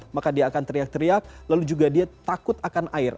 maka dia akan teriak teriak lalu juga dia takut akan air